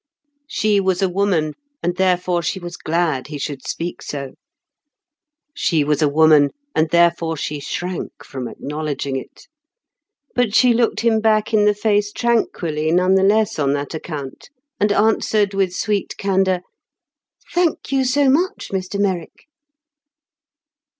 She was a woman, and therefore she was glad he should speak so. She was a woman, and therefore she shrank from acknowledging it. But she looked him back in the face tranquilly, none the less on that account, and answered with sweet candour, "Thank you so much, Mr Merrick."